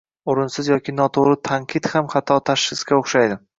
O‘rinsiz yoki noto‘g‘ri tanqid ham xato tashxisga o‘xshaydi.